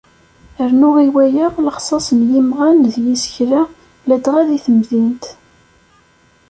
Rnu i waya, lexṣaṣ n yimɣan d yisekla, ladɣa deg temdint.